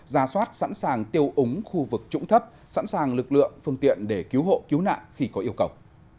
ra soát sẵn sàng tiêu úng khu vực trũng thấp sẵn sàng lực lượng phương tiện để cứu hộ cứu nạn khi có yêu cầu